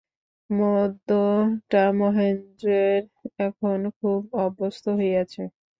মদ্যটা মহেন্দ্রের এখন খুব অভ্যস্ত হইয়াছে।